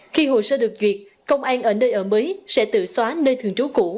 khi hồ sơ được duyệt công an ở nơi ở mới sẽ tự xóa nơi thường trú cũ